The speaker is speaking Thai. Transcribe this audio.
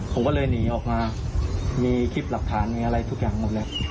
ผมก็เลยหนีออกมามีคลิปหลักฐานมีอะไรทุกอย่างหมดเลย